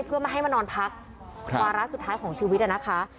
เพื่อไม่ให้มานอนพักวาระสุดท้ายของชีวิตนะคะ